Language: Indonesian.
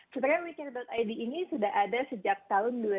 sebenarnya wecare id ini sudah ada sejak tahun dua ribu lima belas